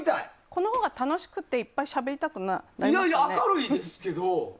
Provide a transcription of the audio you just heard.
このほうが楽しくていっぱいしゃべりたくなりますよね。